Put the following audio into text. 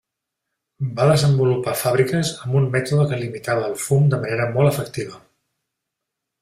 Va desenvolupar fàbriques amb un mètode que limitava el fum de manera molt efectiva.